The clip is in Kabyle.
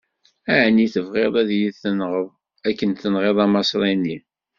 Ɛni tebɣiḍ ad yi-tenɣeḍ akken i tenɣiḍ Amaṣri-nni?